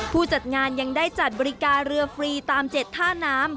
ผู้จัดงานยังได้จัดบริการเรือฟรีตาม๗ท่าน้ำ